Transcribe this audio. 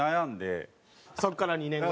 そこから２年後？